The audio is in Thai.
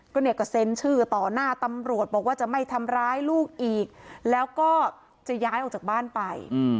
ก็เนี่ยก็เซ็นชื่อต่อหน้าตำรวจบอกว่าจะไม่ทำร้ายลูกอีกแล้วก็จะย้ายออกจากบ้านไป